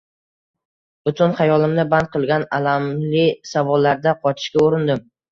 Butun xayolimni band qilgan alamli savollardan qochishga urindim.